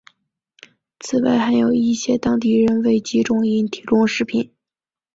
此外还有一些当地人为集中营提供食品。